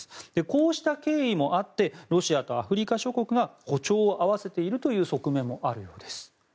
こうした経緯もあってロシアとアフリカ諸国が歩調を合わせているという側面もあるようです。